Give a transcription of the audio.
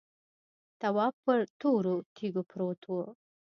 تواب پر تورو تیږو پروت و.